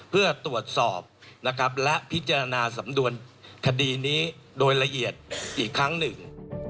เพื่อตรวจสอบนะครับและพิจารณาสำนวนคดีนี้โดยละเอียดอีกครั้งหนึ่ง